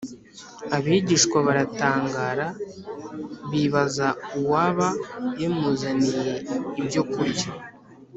Abigishwa baratangara bibaza uwaba yamuzaniye ibyo kurya